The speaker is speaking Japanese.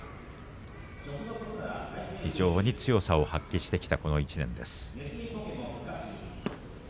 非常に強さを発揮したこの１年です。